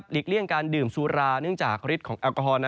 หลีกเลี่ยงการดื่มซูราเนื่องจากริดของแอลกอฮอล์